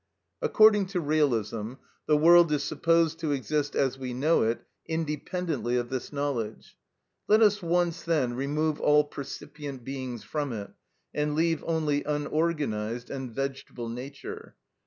According to realism, the world is supposed to exist, as we know it, independently of this knowledge. Let us once, then, remove all percipient beings from it, and leave only unorganised and vegetable nature.